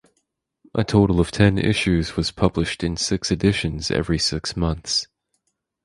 A total of ten issues was published in six editions every six months.